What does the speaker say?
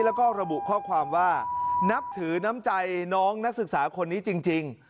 แล้วก็ระบุข้อความว่านับถือน้ำใจน้องนักศึกษาคนนี้จริง